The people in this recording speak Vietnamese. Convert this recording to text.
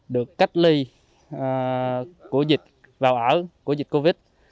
được cách ly của dịch vào ở của dịch covid một mươi chín